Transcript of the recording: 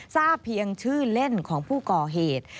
ทราบเพียงชื่อเล่นของผู้ก่อเหตุ